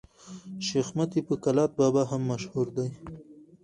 شېخ متي په کلات بابا هم مشهور دئ.